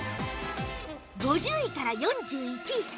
５０位から４１位